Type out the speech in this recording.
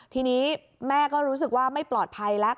ทีนี้แม่ก็รู้สึกว่าไม่ปลอดภัยแล้ว